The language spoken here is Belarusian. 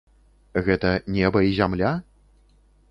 Гэта неба і зямля?